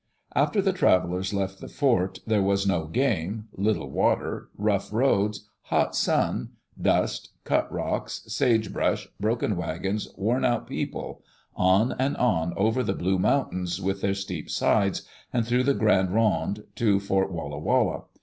After the travelers left the fort, there was no game, little water, rough roads, hot sun, dust, cut rocks, sage brush, broken wagons, worn out people — on and on over the Blue Mountains, with their steep sides, and through the Grande Ronde, to Fort Walla Walla.